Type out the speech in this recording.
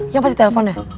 yang pasti telfon ya